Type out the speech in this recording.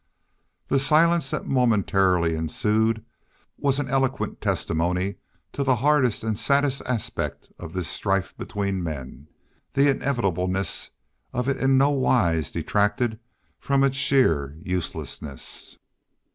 The silence that momentarily ensued was an eloquent testimony to the hardest and saddest aspect of this strife between men. The inevitableness of it in no wise detracted from its sheer uselessness.